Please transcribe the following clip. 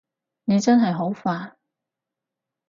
你真係好煩